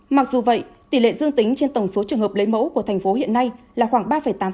mặc dù vậy tỷ lệ dương tính trên tổng số trường hợp lấy mẫu của thành phố hiện nay là khoảng ba tám